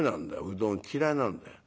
うどん嫌いなんだよ。